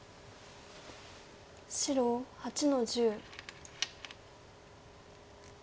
白８の十。